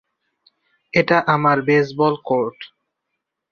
এটা আমার baseball court.